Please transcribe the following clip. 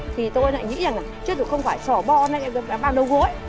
thì tôi lại nghĩ rằng là chứ tôi không phải sỏ bò này vào đầu gối